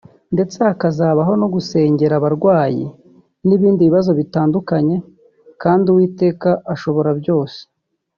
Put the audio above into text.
ndetse hazabaho no gusengera abarwayi n'ibindi bibazo bitandukanye kandi Uwiteka ashobora byose